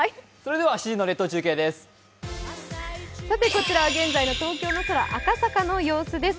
こちらは現在の東京の空赤坂の様子です。